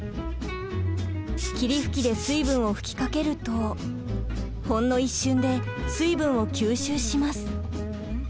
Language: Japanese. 霧吹きで水分を吹きかけるとほんの一瞬で水分を吸収します。